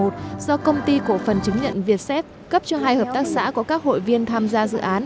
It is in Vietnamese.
do công ty cổ phần chứng nhận việt xét cấp cho hai hợp tác xã có các hội viên tham gia dự án